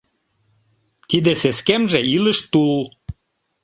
Тиде сескемже — илыш тул.